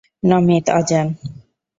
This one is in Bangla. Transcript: নমিত, আজান।